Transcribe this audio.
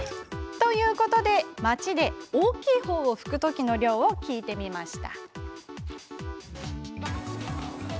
ということで街で大きい方を拭く時の量を聞いてみました。